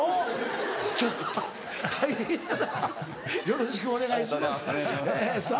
よろしくお願いします。